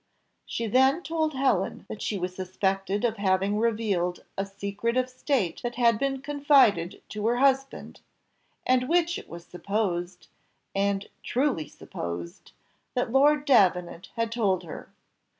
She then told Helen that she was suspected of having revealed a secret of state that had been confided to her husband, and which it was supposed, and truly supposed, that Lord Davenant had told to her.